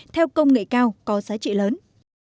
theo công nghệ cao có giá trị lớn